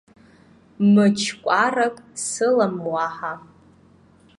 Мыч кәарак сылам уаҳа!